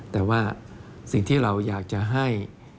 แต่ว่าสิ่งที่เราอยากจะให้